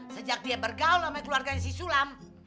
sejak dia bergaul sama keluarganya si sulam